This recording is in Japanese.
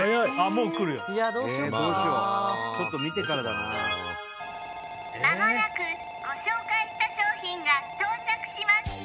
もう来るよどうしようかなあちょっと見てからだなあ間もなくご紹介した商品が到着します